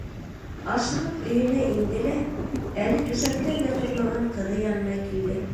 Ашығып өйөнә инде лә әле түшәктән дә тормаған ҡыҙы янына килде: